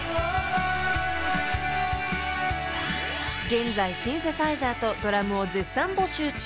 ［現在シンセサイザーとドラムを絶賛募集中］